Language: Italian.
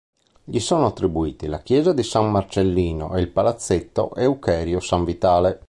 Gli sono attribuiti la chiesa di San Marcellino e il palazzetto Eucherio Sanvitale.